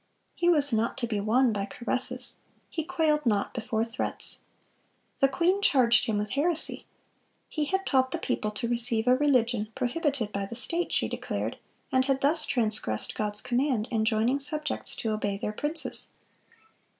He was not to be won by caresses; he quailed not before threats. The queen charged him with heresy. He had taught the people to receive a religion prohibited by the state, she declared, and had thus transgressed God's command enjoining subjects to obey their princes.